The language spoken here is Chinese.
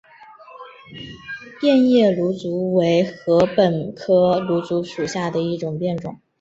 变叶芦竹为禾本科芦竹属下的一个变种。